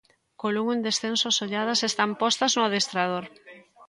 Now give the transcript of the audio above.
Co Lugo en descenso as olladas están postas no adestrador.